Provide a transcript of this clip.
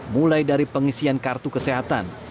mulai dari pengisian kartu kesehatan